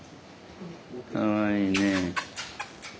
かわいいねえ。